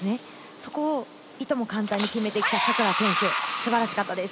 そこをいとも簡単に決めてきたサクラ選手、すばらしかったです。